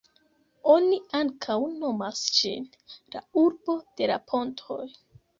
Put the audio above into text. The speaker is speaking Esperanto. Oni ankaŭ nomas ĝin "La urbo de la pontoj".